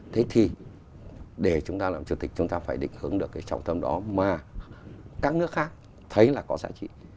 thế thì để chúng ta làm chủ tịch chúng ta phải định hướng được cái trọng tâm đó mà các nước khác thấy là có giá trị